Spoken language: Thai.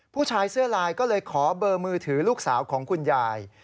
ผู้ชายเสื้อลายก็เลยขอเบอร์มือถือลูกสาวของคุณยาย